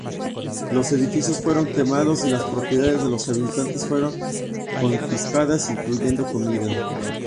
Los edificios fueron quemados y las propiedades de los habitantes fueron confiscadas, incluyendo comida.